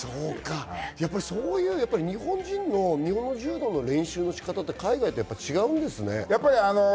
日本人の、日本の柔道の練習の仕方って海外と違うんですね。